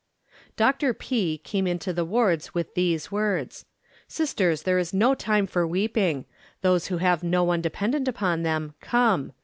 Dr. P came into the wards with these words: "Sisters, there is no time for weeping. Those who have no one dependent upon them, come.